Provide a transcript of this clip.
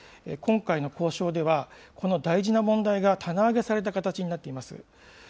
今回の交渉では、この大事な問題が棚上げされた形になっています。